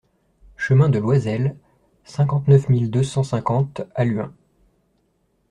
Chemin de Loisel, cinquante-neuf mille deux cent cinquante Halluin